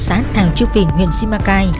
xã thàng chư phìn huyện simacai